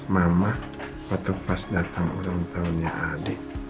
mama waktu pas datang ulang tahunnya adik